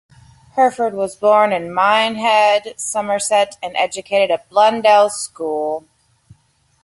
Hurford was born in Minehead, Somerset, and educated at Blundell's School.